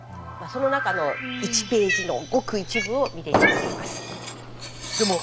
その中の１ページのごく一部を見て頂いています。